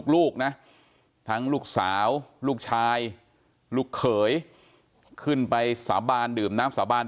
ลูกนะทั้งลูกสาวลูกชายลูกเขยขึ้นไปสาบานดื่มน้ำสาบาน